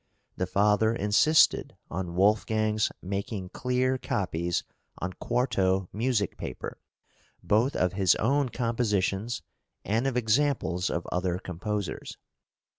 The father insisted on Wolfgang's making clear copies on quarto music paper, both of his own compositions and of examples of other composers.